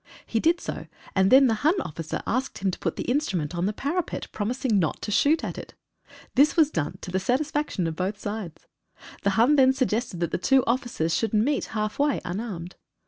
He did so, and then the Hun officer asked him to put the instrument on the parapet, pro mising not to shoot at it. This was done to the satisfac tion of both sides. The Hun then suggested that the two officers should meet halfway unarmed.